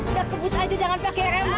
udah kebut aja jangan pakai rela